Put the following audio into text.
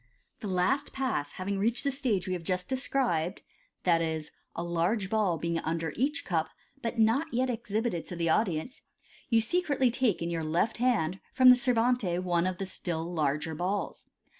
— The last Pass having reached the stage we have just described, i.e., a large ball being under each cup, but not yet ex hibited to the audience, you secretly take in your lejt hand from the servante one of the still larger balls.